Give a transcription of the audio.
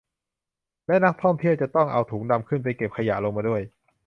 และนักท่องเที่ยวจะต้องเอาถุงดำขึ้นไปเก็บขยะลงมาด้วย